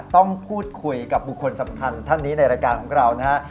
ต้องพูดคุยกับบุคคลสำคัญท่านนี้ในรายการของเรานะฮะ